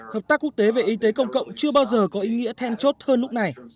hợp tác quốc tế về y tế công cộng chưa bao giờ có ý nghĩa then chốt hơn lúc này